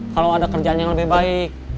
kalau ada kerjaan yang lebih baik